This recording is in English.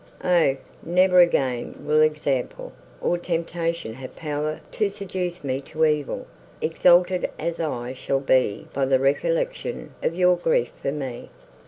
O! never again will example, or temptation have power to seduce me to evil, exalted as I shall be by the recollection of your grief for me."